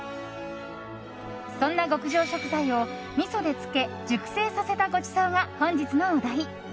そんな極上食材をみそで漬け熟成させたごちそうが本日のお題。